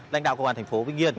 lãnh đạo công an thành phố vĩnh yên